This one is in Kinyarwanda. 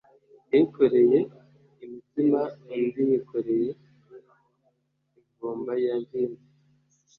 Yikoreye imitsima undi yikoreye imvumba ya vino